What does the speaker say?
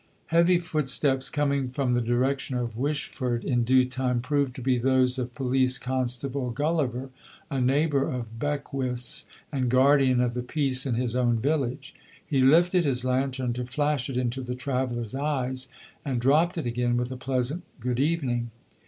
] Heavy footsteps, coming from the direction of Wishford, in due time proved to be those of Police Constable Gulliver, a neighbour of Beckwith's and guardian of the peace in his own village. He lifted his lantern to flash it into the traveller's eyes, and dropped it again with a pleasant "good evening."